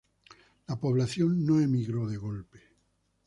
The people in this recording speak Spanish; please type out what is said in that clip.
La población no emigró de golpe.